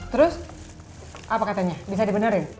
terus apa katanya bisa dibenerin